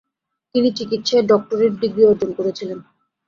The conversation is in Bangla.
তিনি চিকিৎসায় ডক্টরেট ডিগ্রি অর্জন করেছিলেন।